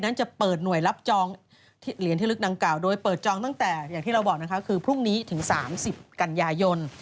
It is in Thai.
นั้นจะเปิดหน่วยรับจองโดยเปิดจองตั้งแต่พรุ่งนี้ถึง๓๐กันยายน